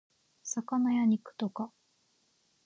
魚や肉とか